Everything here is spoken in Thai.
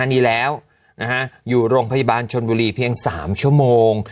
นี่แล้วอยู่โรงพยาบาลชนบุรีเพียง๓ชั่วโมง